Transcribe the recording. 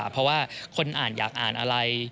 เพราะว่าคนอ่านอยากอ่านอะไร